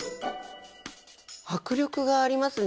迫力がありますね。